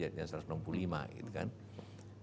jadi kadang sedangkan masih sampai maret tahun depan